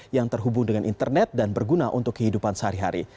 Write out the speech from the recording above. yang terhubung dengan internet dan berguna untuk kehidupan sehari hari